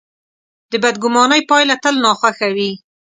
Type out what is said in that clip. د بدګمانۍ پایله تل ناخوښه وي.